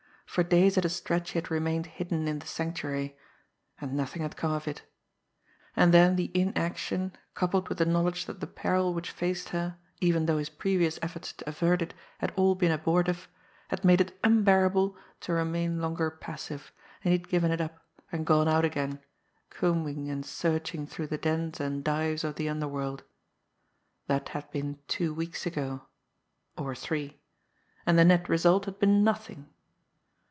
For days at a stretch he had remained hidden in the Sanctuary and nothing had come of it and then the inaction, coupled with the knowledge that the peril which faced her, even though his previous efforts to avert it had all been abortive, had made it unbearable to remain longer passive, and he had given it up, and gone out again, combing and searching through the dens and dives of the underworld. That had been two weeks ago or three. And the net result had been nothing!